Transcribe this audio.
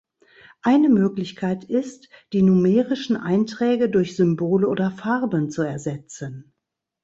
Eine Möglichkeit ist, die numerischen Einträge durch Symbole oder Farben zu ersetzen.